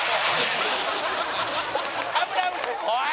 おい！